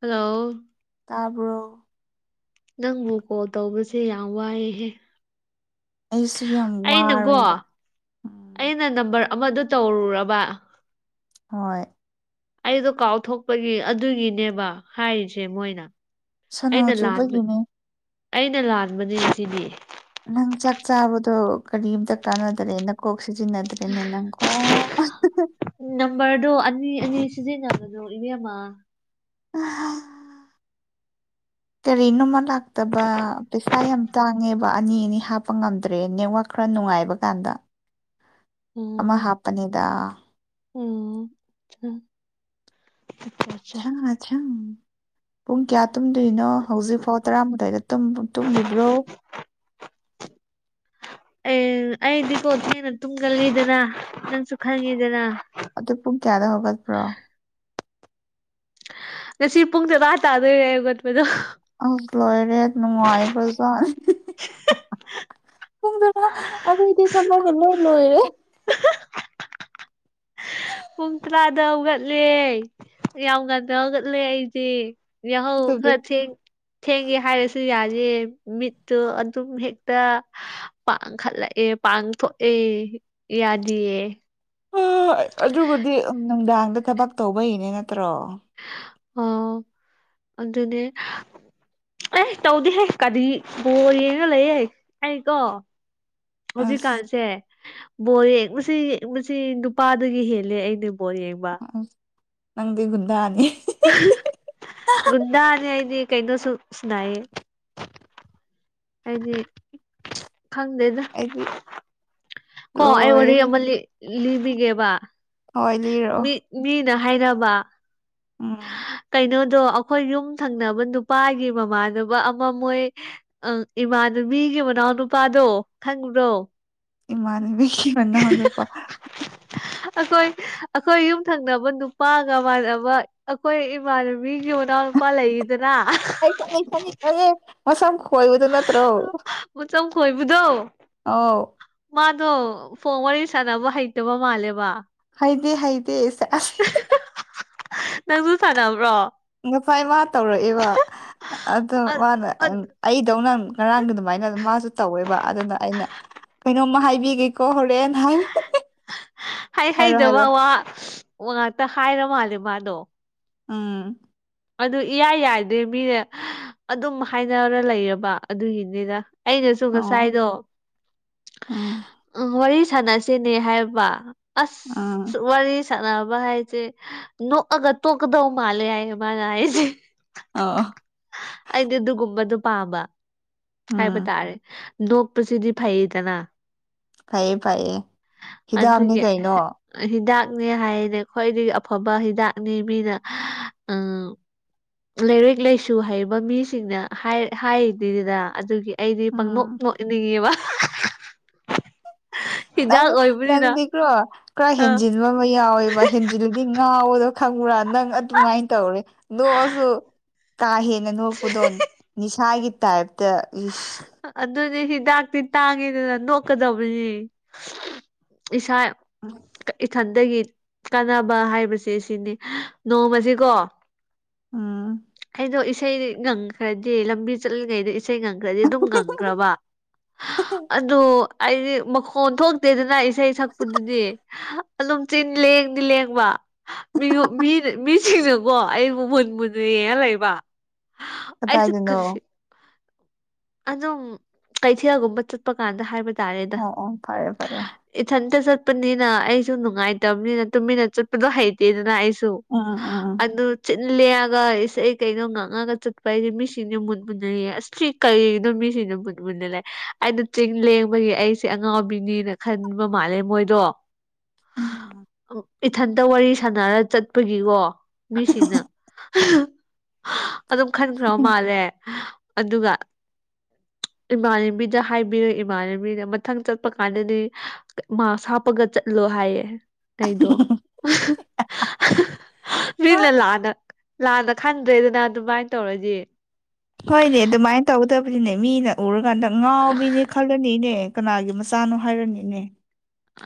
Hello ꯇꯥꯕ꯭ꯔꯣ ꯅꯪꯕꯨ call ꯇꯧꯕꯁꯦ ꯌꯥꯝ ꯋꯥꯏꯑꯦꯍꯦ ꯑꯩꯁꯨ ꯌꯥꯝ ꯋꯥꯔꯦ ꯑꯩꯅꯀꯣ ꯎꯝ ꯑꯩꯅ ꯅꯝꯕꯔ ꯑꯃꯗꯨ ꯇꯧꯔꯨꯔꯕ ꯍꯣꯏ ꯑꯩꯗꯣ ꯀꯥꯎꯊꯣꯛꯄꯒꯤ ꯑꯗꯨꯒꯤꯅꯦꯕ ꯍꯥꯏꯔꯤꯁꯦ ꯃꯣꯏꯅ ꯁꯅꯣ ꯑꯩꯅ ꯂꯥꯟꯕ ꯆꯨꯕꯒꯤꯅꯦ ꯑꯩꯅ ꯂꯥꯟꯕꯅꯤ ꯁꯤꯗꯤ ꯅꯪ ꯆꯥꯛ ꯆꯥꯕꯗꯣ ꯀꯔꯤꯝꯇ ꯀꯥꯟꯅꯗꯔꯦ ꯅꯀꯣꯛ ꯁꯤꯖꯤꯟꯅ [unintelligible] ꯅꯝꯕꯔꯗꯣ ꯑꯅꯤ ꯑꯅꯤ ꯁꯤꯖꯤꯟꯅꯕꯅꯣ ꯏꯃꯦꯝꯃ ꯀꯔꯤꯅꯣꯃ ꯂꯥꯛꯇꯕ ꯄꯩꯁꯥ ꯌꯥꯝ ꯇꯥꯡꯉꯦꯕ ꯑꯅꯤ ꯑꯅꯤ ꯍꯥꯞꯄ ꯉꯝꯗ꯭ꯔꯦ ꯅꯦꯠꯋꯥꯛ ꯈꯔ ꯅꯨꯡꯉꯥꯏꯕ ꯀꯥꯟꯗ ꯑꯃ ꯍꯥꯄꯅꯤꯗ ꯑꯣ [unintelligible] ꯄꯨꯡ ꯀꯌꯥ ꯇꯨꯝꯗꯣꯏꯅꯣ ꯍꯧꯖꯤꯛꯐꯥꯎ ꯇꯔꯥꯝꯗꯥꯏꯗ ꯇꯨꯝ ꯇꯨꯝꯂꯤꯕ꯭ꯔꯣ ꯑꯦꯡ ꯑꯩꯗꯤꯀꯣ ꯊꯦꯡꯅ ꯇꯨꯝꯒꯜꯂꯤꯗꯅ ꯅꯪꯁꯨ ꯈꯪꯉꯤꯗꯅ ꯑꯗꯨ ꯄꯨꯡ ꯀꯌꯥꯗ ꯍꯧꯒꯠꯄ꯭ꯔꯣ ꯉꯁꯤ ꯄꯨꯡ ꯇꯔꯥ ꯇꯥꯗꯣꯏꯔꯦ ꯍꯧꯒꯠꯄꯗꯣ ꯑꯁ ꯂꯣꯔꯦ ꯅꯨꯡꯉꯥꯏꯕꯖ ꯄꯨꯡꯗꯨꯅ ꯑꯗꯨꯑꯣꯏꯗꯤ ꯊꯕꯀ ꯂꯣꯏ ꯂꯣꯏꯔꯦ ꯄꯨꯡ ꯇ꯭ꯔꯥꯗ ꯍꯧꯒꯠꯂꯦ ꯌꯥꯝ ꯉꯟꯅ ꯍꯒꯠꯂꯦ ꯑꯩꯗꯤ ꯌꯥꯍꯧ ꯑꯗꯨꯗꯤ ꯈ꯭ꯔ ꯊꯦꯡ ꯊꯦꯡꯒꯦ ꯍꯥꯏꯔꯁꯨ ꯌꯥꯏꯌꯦ ꯃꯤꯠꯇꯨ ꯑꯗꯨꯝ ꯍꯦꯛꯇ ꯄꯥꯡꯈꯠꯂꯛꯑꯦ ꯄꯥꯡꯊꯣꯛꯑꯦ ꯌꯥꯗꯤꯌꯦ [unintelligible] ꯑꯗꯨꯕꯨꯗꯤ ꯅꯨꯡꯗꯥꯡꯗ ꯊꯕꯛ ꯇꯧꯕꯩꯅꯦ ꯅꯠꯇ꯭ꯔꯣ ꯑꯥꯎ ꯑꯗꯨꯅꯦ ꯑꯦ ꯇꯧꯗꯤꯍꯦ ꯀꯔꯤ ꯕꯣꯜ ꯌꯦꯡꯉ ꯂꯩꯌꯦ ꯑꯩ ꯀꯣ ꯑꯁ ꯍꯧꯖꯤꯛꯀꯥꯟꯁꯦ ꯕꯣꯜ ꯌꯦꯡꯕꯁꯤ ꯌꯦꯡꯕꯁꯤ ꯅꯨꯄꯥꯗꯒꯤ ꯍꯦꯜꯂꯦ ꯑꯩꯗꯤ ꯕꯣꯜ ꯌꯦꯡꯕ ꯅꯪꯗꯤ ꯒꯨꯟꯗꯥꯅꯤ [inaudible] ꯒꯨꯟꯗꯥꯅꯦ ꯑꯩꯗꯤ ꯀꯩꯩꯅꯣꯁꯨ ꯁꯅꯩ꯫ ꯍꯥꯏꯗꯤ [unintelligible] ꯈꯪꯗꯦꯗ ꯑꯩꯗꯤ ꯀꯣ ꯑꯩ ꯋꯥꯔꯤ ꯂꯣꯏꯔꯦꯍꯦ ꯑꯃ ꯂꯤ ꯂꯤꯕꯤꯒꯦꯕ ꯍꯣꯏ ꯂꯤꯔꯛꯑꯣ ꯃꯤ ꯃꯤꯅ ꯍꯥꯏꯅꯕꯥ ꯎꯝ ꯀꯩꯅꯣꯗꯣ ꯑꯩꯈꯣꯏ ꯌꯨꯝ ꯊꯪꯅꯕ ꯅꯨꯄꯥꯒꯤ ꯃꯃꯥꯟꯅꯕ ꯑꯃ ꯃꯣꯏ ꯑꯪ ꯏꯃꯥꯟꯅꯕꯤꯒꯤ ꯃꯅꯥꯎ ꯅꯨꯄꯥꯗꯣ ꯈꯪꯗ꯭ꯔꯣ ꯏꯃꯥꯟꯅꯕꯤꯒꯤ ꯃꯅꯥꯎꯅꯨꯄꯥ ꯑꯩꯈꯣꯏ ꯑꯩꯈꯣꯏ ꯌꯨꯝꯊꯪꯅꯕ ꯅꯨꯄꯥꯒ ꯃꯥꯟꯅꯕ ꯑꯩꯈꯣꯏ ꯏꯃꯥꯟꯅꯕꯤꯒꯤ ꯃꯅꯥꯎ ꯅꯨꯨꯄꯥ ꯂꯩꯏꯗꯅ [unintelligible] ꯈꯪꯉ‌ꯦ ꯈꯪꯉ‌ꯦ ꯃꯁꯝ ꯈꯣꯏꯕꯗꯨ ꯅꯠꯇ꯭ꯔꯣ ꯃꯆꯝ ꯈꯣꯏꯕꯗꯣ ꯑꯥꯎ ꯃꯥꯗꯣ ꯐꯣꯟ ꯋꯥꯔꯤ ꯁꯥꯟꯅꯕ ꯍꯩꯇꯕ ꯃꯥꯜꯂꯦꯕ ꯍꯩꯗꯤ ꯍꯩꯗꯤ ꯅꯪꯁꯨ ꯁꯥꯟꯅꯕꯅꯕ꯭ꯔꯣ ꯉꯁꯥꯏ ꯃꯥ ꯇꯧꯔꯛꯏꯕ ꯑꯗ‌ꯣ ꯃꯥꯅ ꯑꯩꯗꯧꯅ ꯉꯔꯥꯡꯒꯤ ꯑꯗꯨꯃꯥꯏꯅ ꯃꯥꯁꯨ ꯇꯧꯋꯦꯕ ꯑꯗꯨꯅ ꯑꯩꯅ ꯀꯩꯅꯣꯝꯃ ꯍꯥꯏꯕꯤꯒꯦꯀꯣ ꯍꯣꯔꯦꯟ ꯍꯥꯏ ꯍꯩ ꯍꯥꯏꯔꯣ ꯍꯥꯏꯔꯣ ꯍꯩꯗꯕ ꯋꯥ ꯉꯥꯛꯇ ꯍꯥꯏꯔ ꯃꯥꯜꯂꯦ ꯃꯥꯗꯣ ꯎꯝ ꯑꯗꯨ ꯏꯌꯥ ꯌꯥꯏꯗ꯭ꯔꯦ ꯃꯤꯅꯦ ꯑꯗꯨꯝ ꯍꯥꯏꯅꯔ ꯂꯩꯔꯕ ꯑꯗꯨꯒꯤꯅꯤꯗ ꯑꯩꯅꯁꯨ ꯑꯣ ꯉꯁꯥꯏꯗꯣ ꯎꯝ ꯎꯝ ꯋꯥꯔꯤ ꯁꯥꯟꯅꯁꯤꯅꯦ ꯍꯥꯏꯕ ꯑꯁ ꯎꯝ ꯋꯥꯔꯤ ꯁꯥꯟꯅꯕ ꯍꯥꯏꯖ‌ꯦ ꯅꯣꯛꯑꯒ ꯇꯣꯛꯀꯗꯧ ꯃꯥꯜꯂꯦ ꯍꯥꯏꯌꯦ ꯃꯥꯅ ꯍꯥꯏꯖ‌ꯦ ꯑꯣꯑꯣ ꯑꯩꯗꯤ ꯑꯗꯨꯒꯨꯝꯕꯗꯨ ꯄꯥꯝꯕ ꯍꯥꯏꯕ ꯎꯝ ꯇꯥꯔꯦ ꯅꯣꯛꯄꯁꯤꯗꯤ ꯐꯩꯗꯅ ꯐꯩꯌꯦ ꯐꯩꯌꯦ ꯍꯤꯗꯥꯛꯅꯤ ꯑꯗꯨꯒꯤ ꯀꯩꯅꯣ ꯍꯤꯗꯥꯛꯅꯦ ꯍꯥꯏꯅꯦ ꯈ‌꯭ꯋꯥꯏꯗꯒꯤ ꯑꯐꯕ ꯍꯤꯗꯥꯛꯅꯤ ꯃꯤꯅ ꯎꯝ ꯂꯩꯔꯤꯛ ꯂꯥꯏꯁꯨ ꯍꯩꯕ ꯃꯤꯁꯤꯡꯅ ꯍꯥꯏ ꯍꯥꯏꯔꯤꯅꯤꯗꯅ ꯑꯗꯨꯒꯤ ꯑꯩꯗꯤ ꯄꯪꯅꯣꯛ ꯎꯝ ꯅ‌ꯣꯛꯑꯦ ꯅꯤꯡꯉ‌ꯦꯕꯥ ꯅꯪ ꯅꯪꯗꯤ ꯀ꯭ꯔꯣ ꯈꯔ ꯑꯥ ꯍꯦꯟꯖꯤꯟꯕ ꯑꯃ ꯌꯥꯎꯋꯦꯕ ꯍꯦꯟꯖꯤꯜꯂꯗꯤ ꯉꯥꯎꯕꯗ‌ꯣ ꯈꯪꯕ‍꯭ꯔꯥ ꯅꯪ ꯑꯗꯨꯃꯥꯏꯟ ꯇꯧꯔꯦ ꯅꯣꯛꯑꯁꯨ ꯀꯥ ꯍꯦꯟꯅ ꯅꯣꯛꯄꯗꯣ ꯅꯤꯁꯥꯒꯤ ꯇꯥꯏꯞꯇ ꯏꯁ ꯑꯗꯨꯗꯤ ꯍꯤꯗꯥꯛꯇꯤ ꯇꯥꯡꯉꯤꯗꯅ ꯅꯣꯛꯀꯗꯕꯅꯤ ꯏꯁꯥ ꯏꯊꯟꯗꯒꯤ ꯀꯥꯟꯅꯕ ꯍꯥꯏꯕꯁꯦ ꯁꯤꯅꯤ ꯅꯣꯡꯃꯁ‌ꯦꯀꯣ ꯎꯝ ꯑꯩꯗꯣ ꯏꯁꯩꯗꯤ ꯉꯪꯈ꯭ꯔꯗꯤ ꯂꯝꯕꯤ ꯆꯠꯂꯤꯉꯩꯗ ꯏꯁꯩ ꯉꯪꯈ꯭ꯔꯗꯤ ꯑꯗꯨꯝ ꯉꯪꯈ꯭ꯔꯕ ꯑꯗꯨ ꯑꯩꯗꯤ ꯃꯈꯣꯟ ꯊꯣꯛꯇꯦꯗꯅ ꯏꯁꯩ ꯁꯛꯄꯗꯨꯗꯤ ꯑꯗꯨꯝ ꯆꯤꯟ ꯂꯦꯡꯗꯤ ꯂꯦꯡꯕ ꯃꯤꯉ ꯃꯤꯅ ꯃꯤꯁ ꯃꯤꯅꯀ‌ꯣ ꯑꯩꯕꯨ ꯃꯨꯟ ꯃꯨꯟꯅ ꯌ‌ꯦꯡꯉ ꯂꯩꯕ ꯑꯩꯁꯨ ꯀꯔꯤ ꯀꯗꯥꯏꯗꯅꯣ ꯑꯗꯨꯝ ꯀꯩꯊꯦꯜꯒꯨꯝꯕ ꯆꯠꯄ ꯀꯥꯟꯗ ꯍꯥꯏꯕ ꯇꯥꯔꯦꯗ ꯑꯣ ꯑꯣ ꯐꯔꯦ ꯐꯔꯦ ꯏꯊꯟꯇ ꯆꯠꯄꯅꯤꯅ ꯑꯩꯁꯨ ꯅꯨꯡꯉꯥꯏꯇꯕꯅꯤꯅ ꯇꯨꯃꯤꯟꯅ ꯆꯠ ꯄꯗ‌ꯣ ꯍꯩꯇꯦꯗꯅ ꯑꯩꯁꯨ ꯎꯝ ꯎꯝ ꯑꯗꯨ ꯆꯤꯟ ꯂꯦꯡꯑꯒ ꯏꯁꯩ ꯀꯩꯅꯣ ꯉꯥꯡꯉꯒ ꯆꯠꯄ ꯍꯥꯏꯁꯦ ꯃꯤꯁꯤꯡꯅ ꯃꯨꯟ ꯃꯨꯟꯅ ꯌꯦꯡꯉ ꯑꯁꯁꯤ ꯀꯔꯤꯒꯤꯅꯣ ꯃꯤꯁꯤꯡꯅ ꯃꯨꯟ ꯃꯨꯟꯅ ꯂꯩ ꯑꯩꯅ ꯆꯤꯟ ꯂꯦꯡꯕꯒꯤ ꯑꯩꯁꯦ ꯑꯉꯥꯎꯕꯤꯅꯤꯅ ꯈꯟꯕ ꯃꯥꯜꯂꯦ ꯃꯣꯏꯗꯣ ꯎꯝ ꯏꯊꯟꯇ ꯋꯥꯔꯤ ꯁꯥꯟꯅꯔ ꯆꯠꯄꯒꯤꯀꯣ ꯃꯤꯁꯤꯡꯅ ꯑꯗꯨꯝ ꯈꯟꯈ꯭ꯔꯕ ꯎꯝ ꯃꯥꯜꯂꯦ ꯑꯗꯨꯒ ꯏꯃꯥꯟꯅꯕꯤꯗ ꯍꯥꯏꯕꯤꯔ ꯏꯃꯥꯟꯅꯕꯤꯅ ꯃꯊꯪ ꯆꯠꯄ ꯀꯥꯟꯗꯗꯤ ꯃꯥꯛ꯭ꯁ ꯍꯥꯞꯄꯒ ꯆꯠꯂꯣ ꯍꯥꯏꯌꯦ ꯑꯩꯗꯣ ꯃꯤꯅ ꯂꯥꯟꯅ ꯂꯥꯟꯅ ꯈꯟꯗ꯭ꯔꯦꯗꯅ ꯑꯗꯨꯃꯥꯏꯅ ꯇꯧꯔꯗꯤ ꯍꯣꯏꯅꯦ ꯑꯗꯨꯃꯥꯏꯅ ꯇꯧꯒꯗꯕꯅꯤꯅꯦ ꯃꯤꯅ ꯎꯔꯀꯥꯟꯗ ꯑꯉꯥꯎꯕꯤꯅꯦ ꯈꯜꯂꯅꯤꯅꯦ ꯀꯅꯥꯒꯤ ꯃꯆꯥꯅꯣ ꯍꯥꯏꯔꯅꯤꯅꯦ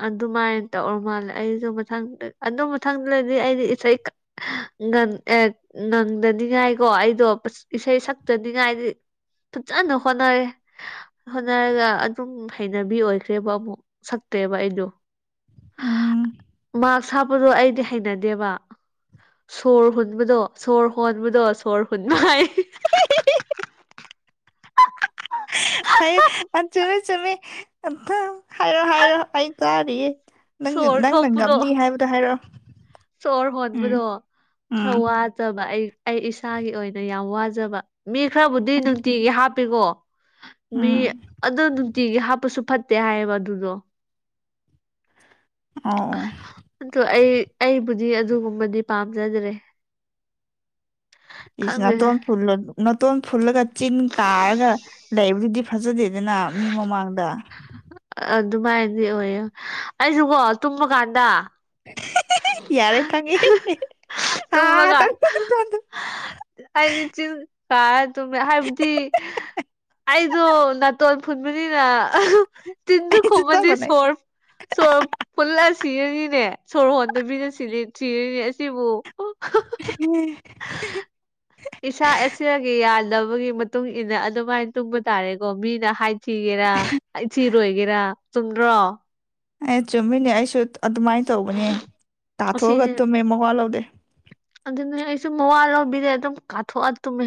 ꯑꯗꯨꯃꯥꯏꯅ ꯇꯧꯕ ꯃꯥꯜꯂꯦ ꯑꯩꯁꯨ ꯃꯊꯪ ꯑꯗꯨ ꯃꯊꯪꯗꯗꯤ ꯑꯩꯗꯤ ꯏꯁꯩ ꯉꯟ ꯑꯦ ꯉꯪꯗꯅꯤꯉꯥꯏ ꯀꯣ ꯑꯩꯗꯣ ꯏꯁꯩ ꯁꯛꯇꯅꯤꯡꯉꯥꯏꯗꯤ ꯐꯖꯅ ꯍꯣꯠꯅꯔꯦ ꯍꯣꯠꯅꯔꯒ ꯑꯗꯨꯝ ꯍꯩꯅꯕꯤ ꯑꯣꯏꯈ꯭ꯔꯦꯕ ꯑꯃꯨꯛ ꯇꯦꯕ ꯑꯩꯗꯣ ꯎꯝ ꯃꯥꯛ꯭ꯁ ꯍꯥꯞꯄꯗꯣ ꯑꯩꯗꯤ ꯍꯩꯅꯗꯦꯕ ꯁꯣꯔ ꯍꯣꯟꯕꯗꯣ ꯁꯣꯔ ꯍꯣꯟꯕꯗꯣ ꯁꯣꯔ ꯍꯨꯟꯕ ꯋꯥꯏ [unintelligible] ꯆꯨꯃꯤ ꯆꯨꯃꯤ ꯍꯥꯏꯔꯣ ꯍꯥꯏꯔꯣ ꯑꯩ ꯇꯥꯔꯤꯌꯦ ꯅꯪ ꯁꯣꯔ ꯅꯪꯅ ꯊꯣꯛꯄꯗꯣ ꯉꯝꯅꯤ ꯍꯥꯏꯕꯗꯣ ꯍꯥꯏꯔꯛꯑꯣ ꯁꯣꯔ ꯎꯝ ꯍꯣꯟꯕꯗꯣ ꯈꯔ ꯎꯝ ꯋꯥꯖꯕ ꯑꯩ ꯑꯩ ꯏꯁꯥꯒꯤ ꯑꯣꯏꯅ ꯌꯥꯝ ꯋꯥꯖꯕ ꯃꯤ ꯈꯔꯕꯨꯗꯤ ꯅꯨꯡꯇꯤꯒꯤ ꯍꯥꯞꯄꯦꯀꯣ ꯃꯤ ꯎꯝ ꯑꯗꯣ ꯅꯨꯡꯇꯤꯒꯤ ꯍꯥꯞꯄꯁꯨ ꯐꯠ ꯇꯦ ꯍꯥꯏꯌꯦꯕ ꯑꯗꯨꯗꯣ ꯑꯥꯎ ꯑꯗꯣ ꯑꯩ ꯑꯩꯕꯨꯗꯤ ꯑꯗꯨꯒꯨꯝꯕꯗꯤ ꯄꯥꯝꯖꯗ꯭ꯔꯦ ꯏꯁ ꯈꯪꯗꯦꯗ ꯅꯇꯣꯟ ꯐꯨꯜꯂꯅꯨ ꯅꯇꯣꯟ ꯐꯨꯜꯂꯒ ꯆꯤꯟ ꯀꯥꯔꯒ ꯂꯩꯕꯗꯨꯗꯤ ꯐꯖꯗꯦꯗꯅ ꯃꯤ ꯃꯃꯥꯡꯗ ꯑꯗꯨꯃꯥꯏꯅꯗꯤ ꯑꯣꯏꯌꯦ ꯑꯩꯁꯨꯀꯣ ꯇꯨꯝꯃꯀꯥꯟꯗ ꯌꯥꯔꯦ ꯈꯪꯉꯦ ꯇꯨꯝꯃꯒ [unintelligible] ꯑꯩꯗꯤ ꯆꯤꯟ ꯀꯥꯔꯒ ꯇꯨꯝꯃꯦ ꯍꯥꯏꯕꯗꯤ ꯑꯩꯖꯨ ꯅꯥꯇꯣꯟ ꯐꯨꯟꯕꯅꯤꯅ ꯆꯤꯟꯗꯨ ꯑꯩꯁꯨ ꯆꯞ ꯈꯨꯝꯃꯗꯤ ꯃꯥꯟꯅꯩ ꯁꯣꯔ ꯁꯣꯔ ꯐꯨꯜꯂ ꯁꯤꯔꯅꯤꯅꯦ ꯁꯣꯔ ꯍꯣꯟꯗꯕꯤꯗ ꯁꯤꯔ ꯁꯤꯔꯅꯤ ꯑꯁꯤꯕꯨ [unintelligible] ꯏꯁꯥ ꯑꯁꯤꯒꯤ ꯌꯥꯗꯕꯒꯤ ꯃꯇꯨꯡ ꯃꯇꯨꯡꯏꯟꯅ ꯑꯗꯨꯃꯥꯏꯅ ꯇꯨꯝꯕ ꯇꯥꯔꯦꯀꯣ ꯃꯤꯅ ꯍꯥꯏꯊꯤꯒꯦꯔꯥ ꯍꯥꯏꯊꯤꯔꯣꯏꯒꯦꯔ ꯆꯨꯝꯗ꯭ꯔꯣ ꯑꯦ ꯆꯨꯝꯃꯤꯅꯦ ꯑꯩꯁꯨ ꯑꯗꯨꯃꯥꯏꯅ ꯇꯧꯕꯅꯦ ꯇꯥꯊꯣꯛꯑꯒ ꯑꯁꯤꯅꯦ ꯇꯨꯝꯃꯦ ꯃꯋꯥ ꯂꯧꯗꯦ ꯑꯗꯨꯅꯦ ꯑꯩꯁꯨ ꯃꯋꯥ ꯂꯧꯕꯤꯗꯦ ꯑꯗꯨꯝ ꯀꯥꯊꯣꯛꯑ ꯇꯨꯝꯃꯦ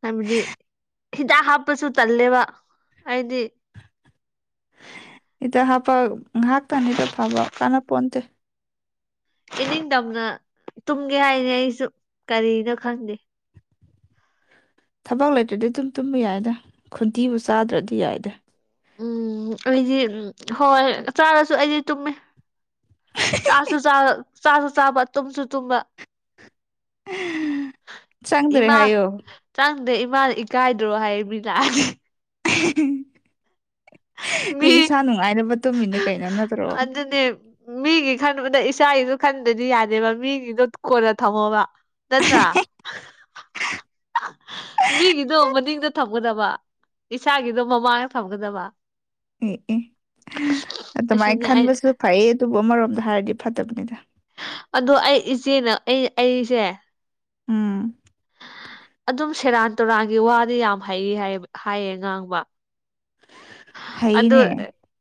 ꯍꯥꯏꯕꯗꯤ ꯍꯤꯗꯥꯛ ꯍꯥꯞꯄꯁꯨ ꯇꯜꯂꯦꯕ ꯍꯥꯏꯗꯤ ꯍꯤꯗꯥꯛ ꯍꯥꯞꯄꯒ ꯉꯥꯏꯍꯥꯛꯇꯅꯤꯗ ꯐꯕ ꯀꯥꯟꯅ ꯄꯣꯟꯇꯦ ꯏꯅꯤꯡ ꯇꯝꯅ ꯇꯨꯝꯒꯦ ꯍꯥꯏꯅꯤ ꯑꯩꯁꯨ ꯀꯔꯤꯔ ꯈꯪꯗꯦ ꯊꯕꯛ ꯂꯩꯇ꯭ꯔꯗꯤ ꯑꯗꯨꯝ ꯇꯨꯝꯕ ꯌꯥꯏꯗ ꯈꯨꯟꯇꯤꯕꯨ ꯆꯥꯗ꯭ꯔꯗꯤ ꯌꯥꯏꯗ ꯎꯝ ꯑꯩꯗꯤ ꯎꯝ ꯍꯣꯏ ꯆꯥꯔꯁꯨ ꯑꯩꯗꯤ ꯇꯨꯝꯃꯦ ꯆꯥꯁꯨ ꯆꯥ ꯆꯥꯁꯨ ꯆꯥꯕ ꯇꯨꯝꯁꯨ ꯇꯨꯝꯕ ꯆꯪꯗ꯭ꯔꯦ ꯏꯃꯥ ꯍꯥꯏꯌꯣ ꯆꯪꯗꯦ ꯏꯃꯥꯅ ꯏꯀꯥꯏꯗ꯭ꯔꯣ ꯍꯥꯏꯌꯦ ꯃꯤ ꯂꯥꯛꯑꯗꯤ ꯃꯤ ꯏꯁꯥ ꯅꯨꯡꯉꯥꯏꯅꯕ ꯇꯨꯝꯃꯤꯅꯦ ꯀꯩꯅꯣ ꯅꯠ ꯑꯗꯨꯅꯦ ꯃꯤꯒꯤ ꯈꯟꯕꯗ ꯏꯆꯥꯒꯤꯁꯨ ꯈꯟꯗꯗꯤ ꯌꯥꯗꯦꯕ ꯃꯤꯒꯤꯗꯣ ꯀꯣꯟꯅ ꯊꯝꯃꯣꯕ ꯅꯠꯇ꯭ꯔ ꯃꯤꯒꯤꯗꯣ ꯃꯅꯤꯡꯗ ꯊꯝꯒꯗꯕ ꯏꯁꯥꯒꯤꯗꯣ ꯃꯃꯥꯡꯗ ꯊꯝꯒꯗꯕ ꯑꯦ ꯑꯦ ꯑꯗꯨꯃꯥꯏꯅ ꯑꯁꯤꯅꯦ ꯑꯩ ꯈꯟꯕꯁꯨ ꯐꯩ ꯑꯗꯨꯕꯨ ꯑꯃꯔꯣꯝꯗ ꯍꯥꯏꯔꯗꯤ ꯐꯠꯇꯕꯅꯤꯗ ꯑꯗꯣ ꯑꯩ ꯏꯆꯦꯅ ꯑꯩ ꯑꯩ ꯑꯩꯁꯦ ꯎꯝ ꯑꯗꯨꯝ ꯁꯦꯔꯥꯟ ꯇꯨꯔꯥꯟꯒꯤ ꯋꯥꯗꯤ ꯌꯥꯝ ꯍꯩ ꯍꯥꯏꯌꯦꯕ ꯍꯥꯏꯌꯦ ꯉꯥꯡꯕ ꯑꯗꯨ ꯐꯩꯅꯦ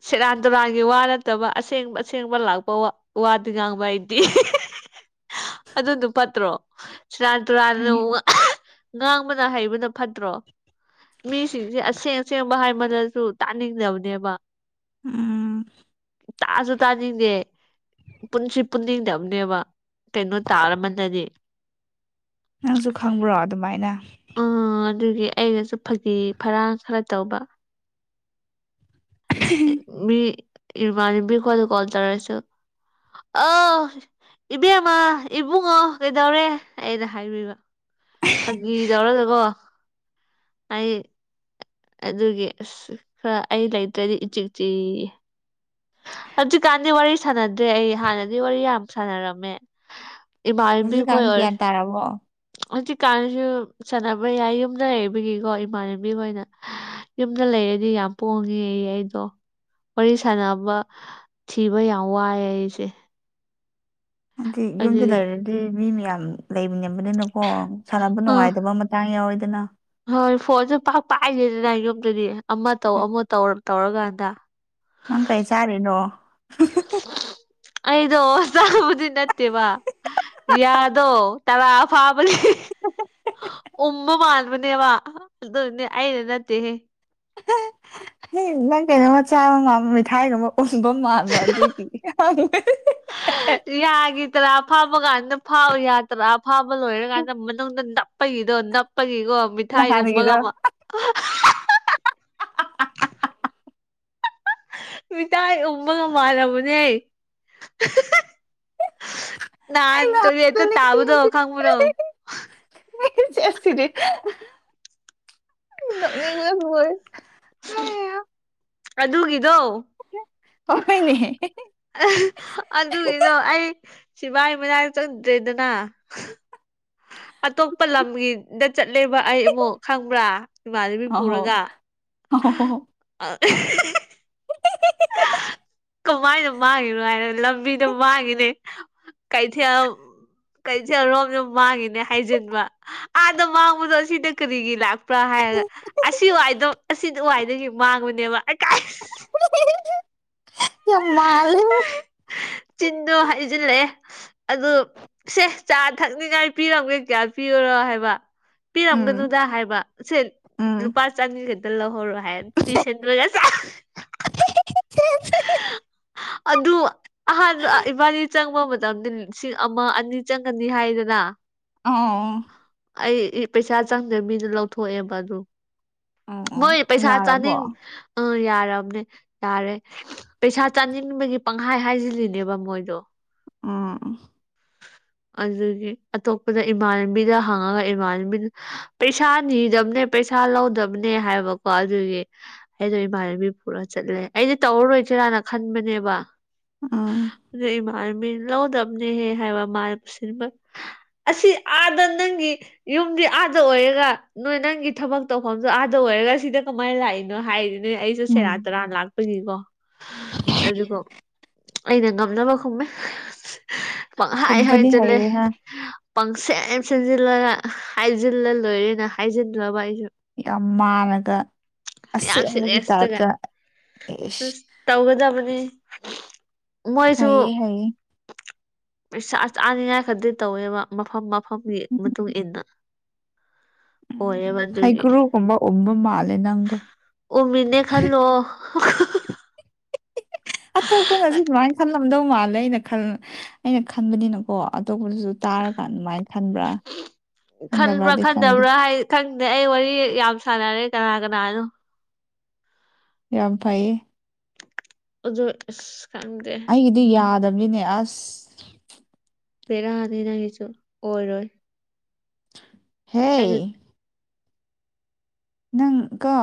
ꯁꯦꯔꯥꯟ ꯇꯨꯔꯥꯟꯒꯤ ꯋꯥ ꯅꯠꯇꯕ ꯑꯁꯦꯡꯕ ꯑꯁꯦꯡꯕ ꯂꯥꯛꯄ ꯋꯥꯗꯤ ꯉꯥꯡꯕ ꯑꯩꯗꯤ ꯑꯗꯨ ꯑꯗꯨꯝ ꯐꯠꯇ꯭ꯔꯣ ꯁꯨꯔꯥꯟ ꯇꯨꯔꯥꯟꯅ ꯐꯩꯌꯦ ꯉꯥꯡꯕꯅ ꯍꯩꯕꯅ ꯐꯠꯇ꯭ꯔꯣ ꯃꯤꯁꯤꯡꯁꯦ ꯑꯁꯦꯡ ꯑꯁꯦꯡꯕ ꯍꯥꯏꯃꯗꯁꯨ ꯇꯥꯅꯤꯡꯗꯕꯅꯦꯕ ꯎꯝ ꯇꯥꯁꯨ ꯇꯥꯅꯤꯡꯗꯦ ꯄꯨꯟꯁꯤ ꯄꯨꯟꯅꯤꯡꯗꯕꯅꯦꯕ ꯀꯩꯅꯣ ꯇꯥꯔꯃꯗꯗꯤ ꯅꯪꯁꯨ ꯈꯪꯕ꯭ꯔꯣ ꯑꯗꯨꯃꯥꯏꯅ ꯑꯥ ꯑꯗꯨꯒꯤ ꯑꯩꯒꯁꯨ ꯐꯒꯤ ꯐꯔꯥꯡ ꯈꯔ ꯇꯧꯕ ꯃꯤ ꯏꯕꯅꯥꯕꯤ ꯈꯣꯏꯅꯥ ꯀꯣꯜ ꯇꯧꯔꯁꯨ ꯑ ꯏꯕꯦꯝꯃ ꯏꯕꯨꯡꯉꯣ ꯀꯩꯗꯧꯔꯦ ꯑꯩꯅ ꯍꯥꯏꯕꯤꯕ ꯐꯥꯒꯤ ꯇꯧꯔꯒꯀꯣ ꯑꯩ ꯑꯗꯨꯒꯤ ꯑꯁ ꯈꯔ ꯑꯩ ꯂꯩꯇ꯭ꯔꯗꯤ ꯆꯤꯛ ꯆꯤ ꯍꯧꯖꯤꯛꯀꯥꯟꯗꯤ ꯋꯥꯔꯤ ꯁꯥꯟꯅꯗ꯭ꯔꯦ ꯑꯩ ꯍꯥꯟꯅꯗꯤ ꯋꯥꯔꯤ ꯌꯥꯝ ꯁꯥꯟꯅꯔꯝꯃꯦ ꯏꯃꯥꯏꯕꯤꯈꯣꯏ ꯑꯣꯏ ꯇꯔꯥꯔꯕꯣ ꯍꯧꯖꯤꯛꯀꯥꯟꯅꯁꯨ ꯁꯥꯟꯅꯕ ꯌꯥꯏ ꯌꯨꯝꯗ ꯂꯩꯕꯒꯤꯀꯣ ꯏꯃꯥꯟꯅꯕꯤꯈ ꯑꯣꯏꯅ ꯌꯨꯝꯗ ꯂꯩꯔꯗꯤ ꯌꯥꯝ ꯄꯣꯡꯉꯦ ꯑꯩꯗꯣ ꯋꯥꯔꯤ ꯁꯥꯟꯅꯕ ꯊꯤꯕ ꯌꯥꯝ ꯋꯥꯏꯑꯦ ꯑꯩꯁꯦ ꯍꯥꯏꯗꯤ ꯌꯨꯝꯗ ꯑꯗꯨꯒꯤ ꯂꯩꯔꯗꯤ ꯃꯤ ꯃꯌꯥꯝ ꯂꯩꯃꯤꯟꯅꯕꯅꯤꯅꯀꯣ ꯁꯥꯟꯅꯕ ꯑꯥ ꯅꯨꯡꯉꯥꯏꯇꯕ ꯑꯃ [unintelligible] ꯌꯥꯎ ꯏꯗꯅ ꯍꯣꯏ ꯐꯣꯟꯁꯨ ꯄꯥꯛ ꯄꯥꯛꯏꯗꯦꯗꯅ ꯌꯨꯝꯗꯨꯗꯤ ꯑꯃ ꯇꯧ ꯑꯃ ꯇꯧ ꯇꯧꯔꯀꯥꯟꯗ ꯅꯪ ꯀꯩ ꯆꯥꯔꯤꯅꯣ ꯑꯩꯗꯣ ꯆꯒꯕꯨꯗꯤ ꯅꯠꯇꯦꯕ ꯌꯥꯗꯣ ꯇꯔꯥ ꯐꯥꯕꯅꯦ ꯎꯝꯕ ꯃꯥꯟꯕꯅꯦꯕ ꯑꯦꯗꯨꯅꯦ ꯑꯩꯅꯥ ꯅꯠꯇꯦ ꯍꯦ ꯅꯪ ꯀꯩꯅꯣꯃ ꯆꯥꯕ ꯃꯥꯟꯕ ꯃꯊꯥꯏꯒꯨꯝꯕ ꯎꯟꯕ ꯃꯥꯟꯕ ꯑꯗꯨꯏꯒꯤ [unintelligible] ꯌꯥꯒꯤꯗ꯭ꯔꯥ ꯐꯥꯕ ꯀꯥꯟꯗ ꯐꯥꯎ ꯌꯥ ꯇꯔꯥ ꯐꯥꯕ ꯂꯣꯏꯔꯀꯥꯟꯗ ꯃꯅꯨꯡꯗ ꯅꯞꯄꯒꯤꯗꯣ ꯅꯞꯄꯒꯤꯀꯣ ꯃꯤꯊꯥꯏꯒꯨꯝꯕꯒ ꯅꯍꯥꯟꯒꯤꯗꯣ ꯑꯃ [unintelligible] ꯃꯤꯗꯥꯥꯏ ꯎꯕꯒ ꯃꯥꯟꯅꯕꯅꯦ ꯑꯩ ꯅꯍꯟꯇꯅꯦ ꯅꯍꯥꯟꯗꯣ ꯑꯗꯨ ꯇꯥꯕꯨꯗꯣ ꯅꯤꯡꯁꯤꯡꯉꯗꯤ ꯈꯪꯕꯔꯣ ꯑꯦꯁꯤꯗꯤ ꯅꯣꯛꯅꯤꯡꯃ ꯂꯣꯏꯔꯦ [inaudible] ꯍꯩꯍꯥ ꯑꯗꯨꯒꯤꯗꯣ ꯍꯣꯏꯅꯦ ꯑꯗꯨꯒꯤꯗꯣ ꯑꯩ ꯁꯤꯕꯥꯏ ꯃꯅꯥꯛ ꯆꯪꯗ꯭ꯔꯦꯗꯅ ꯑꯇꯣꯞꯄ ꯂꯝꯒꯤ ꯗꯥ ꯆꯠꯂꯦꯕ ꯑꯩ ꯑꯃꯨꯛ ꯈꯪꯕ꯭ꯔꯥ ꯏꯃꯥꯟꯅꯕꯤ ꯑꯍꯣ ꯄꯨꯔꯒ ꯑꯍꯣ [unintelligible] ꯀꯃꯥꯏꯅ ꯃꯥꯡꯉꯤꯅꯣ ꯍꯥꯏꯔ ꯂꯝꯕꯤꯗꯣ ꯃꯥꯡꯉꯤꯅꯦ ꯀꯩꯊꯦꯜ ꯀꯩꯊꯦꯜꯔꯣꯝꯗ ꯃꯥꯡꯉꯤꯅꯦ ꯍꯥꯏꯖꯤꯟꯕ ꯑꯥꯗ ꯃꯥꯡꯕꯗꯣ ꯑꯁꯤꯗ ꯀꯔꯤꯒꯤ ꯂꯥꯛ ꯄ꯭ꯔꯥ ꯍꯥꯏꯔꯒ ꯑꯁꯤ ꯋꯥꯏꯗꯣ ꯑꯁꯤꯗ ꯋꯥꯏꯗꯒꯤ ꯃꯥꯡꯕꯅꯦꯕ ꯀꯥꯏ ꯌꯣꯝ ꯃꯥꯜꯂꯦ ꯆꯤꯟꯗꯨ ꯍꯩꯖꯤꯟꯂꯦ ꯑꯗꯨ ꯁꯦ ꯆꯥ ꯊꯛꯅꯤꯡꯉꯥꯏ ꯄꯤꯔꯝꯒꯦ ꯀꯌꯥ ꯄꯤꯌꯨꯔꯣ ꯍꯥꯏꯕ ꯎꯝ ꯄꯤꯔꯝꯒꯅꯨꯗ ꯍꯥꯏꯕ ꯁꯦ ꯎꯝ ꯂꯨꯄꯥ ꯆꯅꯤꯒ ꯂꯧꯍꯧꯔꯣ ꯍꯥꯏ ꯄꯤꯁꯟꯗ꯭ꯔꯥꯒ ꯑꯗꯨ ꯑꯍꯥꯟꯕ ꯑꯥ ꯏꯕꯥꯅꯤ ꯆꯪꯕ ꯃꯇꯝꯗ ꯂꯤꯁꯤꯡ ꯑꯃ ꯑꯅꯤ ꯆꯪꯒꯅꯤ ꯍꯥꯏꯗꯅ ꯎꯝ ꯑꯩ ꯄꯩꯁꯥ ꯆꯪꯗꯕꯤꯗ ꯂꯧꯊꯣꯛꯑꯦꯕ ꯑꯗꯨ ꯑꯣ ꯑꯣ ꯃꯣꯏ ꯄꯩꯁꯥ ꯌꯥꯔꯕꯣ ꯆꯥꯅꯤꯡ ꯑꯥ ꯌꯥꯔꯝꯅꯦ ꯌꯥꯔꯦ ꯄꯩꯁꯥ ꯆꯥꯅꯤꯡꯕꯒꯤ ꯄꯪꯍꯥꯏ ꯍꯥꯏꯖꯤꯜꯂꯤꯅꯦꯕ ꯃꯣꯏꯗꯣ ꯎꯝ ꯑꯗꯨꯒꯤ ꯑꯇꯣꯞꯄꯗ ꯏꯃꯥꯟꯅꯕꯤꯗ ꯍꯥꯡꯉꯒ ꯏꯃꯥꯟꯅꯕꯤ ꯄꯩꯁꯥ ꯅꯤꯗꯕꯅꯦ ꯄꯩꯁꯥ ꯂꯧꯗꯕꯅꯦ ꯍꯥꯏꯕꯀꯣ ꯑꯗꯨꯒꯤ ꯑꯩꯗꯣ ꯏꯃꯥꯟꯅꯕꯤ ꯄꯨꯔꯒ ꯆꯠꯂꯦ ꯑꯩꯗꯤ ꯇꯧꯔꯔꯣꯏꯁꯤꯔꯥꯅ ꯈꯟꯕꯅꯦꯕ ꯎꯝ ꯑꯗꯨ ꯏꯃꯥꯟꯅꯕꯤ ꯂꯧꯗꯕꯅꯦꯍꯦ ꯍꯥꯏꯕ ꯃꯥ ꯁꯤꯟꯕ ꯑꯁꯤ ꯑꯥꯗ ꯅꯪꯒꯤ ꯌꯨꯝꯗꯤ ꯑꯥꯗ ꯑꯣꯏꯔꯒ ꯅꯣꯏ ꯅꯪꯒꯤ ꯊꯕꯛ ꯇꯧꯐꯝꯖꯨ ꯑꯥꯗ ꯑꯣꯏꯔꯒ ꯁꯤꯗ ꯀꯃꯥꯏꯅ ꯂꯥꯛꯏꯅꯣ ꯍꯥꯏꯔꯤ ꯑꯗꯩ ꯑꯩꯖꯨ ꯁꯦꯔꯥꯟ ꯎꯝ ꯇꯨꯔꯥꯟ ꯂꯥꯛꯄꯒꯤꯀꯣ ꯑꯗꯨꯒꯣ ꯑꯩꯅ ꯉꯝꯅꯕ ꯈꯨꯝꯃꯦ ꯄꯪꯍꯥꯏ ꯈꯨꯝꯕꯗꯤ ꯍꯥꯏꯖꯤꯜꯂꯦ ꯍꯩꯔꯦ ꯍꯥ ꯄꯪꯁꯦꯝ ꯁꯦꯝꯖꯤꯜꯂꯒ ꯍꯥꯏꯖꯤꯜꯂꯥ ꯂꯣꯏꯔꯦꯅ ꯍꯥꯏꯖꯤꯜꯂꯕ ꯑꯩꯁꯨ ꯌꯥꯝ ꯃꯥꯟꯂꯒ ꯌꯥꯝ ꯑꯁꯦꯡꯕꯒꯤ ꯁꯤꯔꯤꯌꯁꯇꯒ ꯇꯥꯏꯞꯇꯥ ꯑꯦꯁ ꯑꯁ ꯇꯧꯒꯗꯕꯅꯤ ꯃꯣꯏꯁꯨ ꯍꯩꯌꯦ ꯍꯩꯌꯦ ꯄꯩꯁꯥ ꯆꯥꯅꯤꯡꯉꯥꯏ ꯈꯗ ꯇꯧꯋꯦꯕ ꯃꯐꯝ ꯃꯐꯝꯒꯤ ꯎꯝ ꯃꯇꯨꯡ ꯏꯟꯅ [inaudible] ꯎꯝ ꯑꯗꯨꯒꯤ ꯍꯩꯒꯨꯔꯨꯒꯨꯝꯕ ꯎꯝꯕ ꯃꯥꯜꯂꯦ ꯅꯪꯗꯣ ꯎꯝꯃꯤꯅꯦ ꯈꯜꯂꯣ ꯑꯇꯣꯞꯄꯅꯖꯨ ꯑꯗꯨꯃꯥꯏ ꯈꯜꯂꯝ ꯎꯝꯗꯧ ꯃꯥꯜꯂꯦ ꯑꯩꯅ ꯈꯜ ꯑꯩꯅ ꯈꯟꯕꯅꯤꯅꯀꯣ ꯑꯇꯣꯞꯄꯗꯨꯖꯨ ꯇꯥꯔꯒ ꯑꯗꯨꯃꯥꯏꯟ ꯈꯟꯕ꯭ꯔꯥ ꯈꯪꯗꯦ ꯈꯟꯗꯕ꯭ꯔꯥ ꯍꯥꯏ ꯈꯪꯗꯦ ꯑꯩ ꯋꯥꯔꯤ ꯌꯥꯝ ꯁꯥꯟꯅꯔꯦ ꯀꯅꯥ ꯀꯅꯥꯅꯣ ꯌꯥꯝ ꯐꯩꯌꯦ ꯑꯗꯣ ꯑꯁ ꯈꯪꯗꯦ ꯑꯩꯒꯤꯗꯤ ꯌꯥꯗꯕꯅꯤꯅꯦ ꯑꯁ ꯕꯦꯔꯥꯅꯦ ꯅꯪꯒꯤꯁꯨ ꯑꯣꯏꯔꯣꯏ ꯑꯩꯅ ꯍꯦ ꯅꯪꯀ